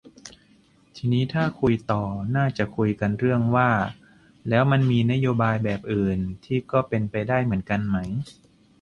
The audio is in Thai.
ทีนี้ถ้าคุยต่อ น่าจะคุยกันเรื่องว่า แล้วมันมีนโยบายแบบอื่น ที่ก็เป็นไปได้เหมือนกันไหม